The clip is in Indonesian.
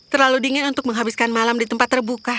terlalu dingin untuk menghabiskan malam di tempat terbuka